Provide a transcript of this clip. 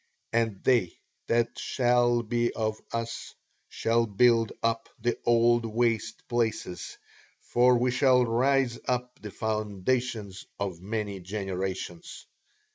And they that shall be of us shall build up the old waste places; for we shall raise up the foundations of many generations."